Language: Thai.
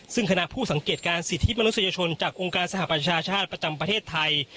ซึ่งคณะผู้สังเกตการสิทธิมนุษยชนจากองค์การสหประชาชาติประจำประเทศไทย